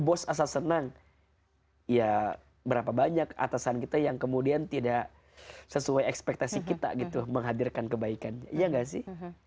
bos asal senang ya berapa banyak atasan kita yang kemudian tidak sesuai ekspektasi kita gitu menghadirkan kebaikannya iya gak sih